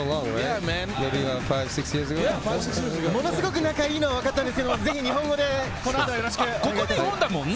ものすごく仲いいのはわかったんですけど、ぜひ日本語でこの後よろしくお願いします。